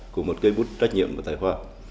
của một cây bút trách nhiệm và tài khoa